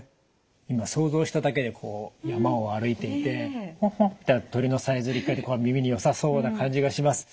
今想像しただけでこう山を歩いていてホッホッて鳥のさえずり聞こえてこう耳によさそうな感じがします。